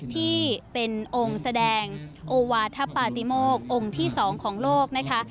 ที่เป็นองค์แสดงโอวาทปาติโมกองค์ที่๒ของโลกนะคะ